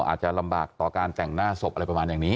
อาจจะลำบากต่อการแต่งหน้าศพอะไรประมาณอย่างนี้